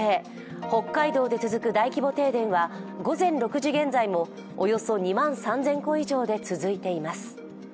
北海道で続く大規模停電は現在もおよそ２万３０００戸以上で続いています。